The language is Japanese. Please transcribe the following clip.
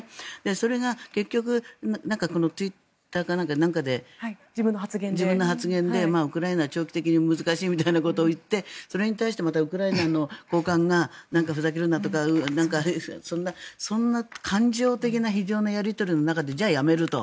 それが結局ツイッターかなんかで自分の発言でウクライナ、長期的に難しいみたいなことを言ってそれに対してウクライナの高官がふざけるなとかそんな感情的なやり取りの中でじゃあ、やめると。